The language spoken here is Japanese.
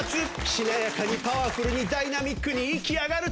しなやかにパワフルにダイナミックに息上がる！